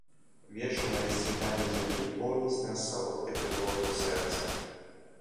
Вечнае расцвітанне зямлі поўніць нас салодкай трывогаю сэрца.